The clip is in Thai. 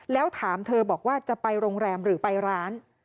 แล้วถามเธอบอกว่าจะไปโรงแรมหรือไปร้าน